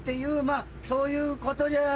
まぁそういうことじゃよ。